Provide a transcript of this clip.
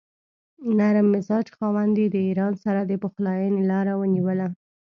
نرم مزاج خاوند یې د ایران سره د پخلاینې لاره ونیوله.